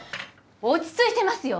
落ち着いてますよ